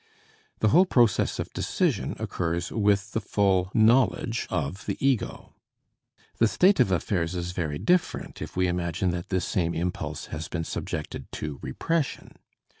The whole process of decision occurs with the full knowledge of the ego. The state of affairs is very different if we imagine that this same impulse has been subjected to repression.